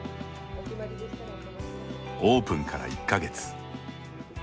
オープンから１か月。